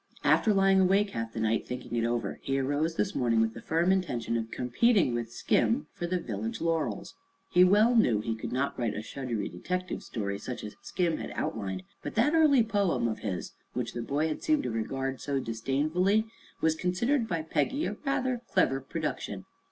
After lying awake half the night thinking it over, he arose this morning with the firm intention of competing with Skim for the village laurels. He well knew he could not write a shuddery detective story, such as Skim had outlined, but that early poem of his, which the boy had seemed to regard so disdainfully, was considered by Peggy a rather clever production.